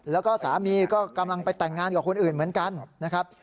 แล้วก็สามีก็กำลังไปแต่งงานกับคนอื่นเหมือนกันนะครับ